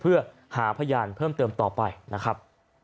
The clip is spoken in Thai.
เพื่อหาพยานเพิ่มเติมต่อไปนะครับ